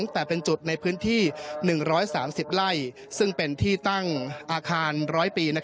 แต่เป็นจุดในพื้นที่๑๓๐ไร่ซึ่งเป็นที่ตั้งอาคาร๑๐๐ปี